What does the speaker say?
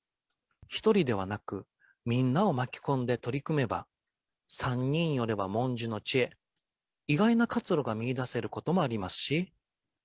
１人ではなく、みんなを巻き込んで取り組めば、三人寄れば文殊の知恵、意外な活路が見いだせることもありますし。